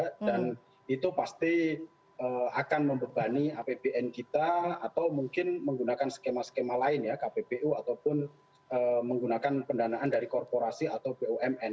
dan itu pasti akan membebani apbn kita atau mungkin menggunakan skema skema lain ya kppu ataupun menggunakan pendanaan dari korporasi atau bumn